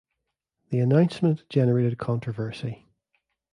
The announcement generated controversy.